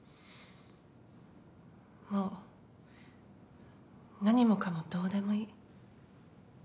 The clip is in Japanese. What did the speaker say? もう何もかもどうでもいい。